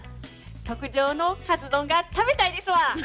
特上のかつ丼が食べたいですわ！